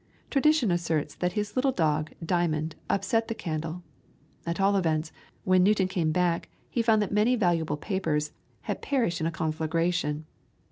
Tradition asserts that his little dog "Diamond" upset the candle; at all events, when Newton came back he found that many valuable papers had perished in a conflagration.